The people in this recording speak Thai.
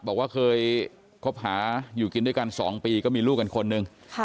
บอกว่าเคยคบหาอยู่กินด้วยกัน๒ปีก็มีลูกกันคนหนึ่ง